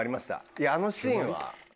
いやあのシーンは。